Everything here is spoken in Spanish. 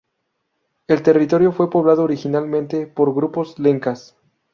El territorio fue poblado originalmente por grupos lencas.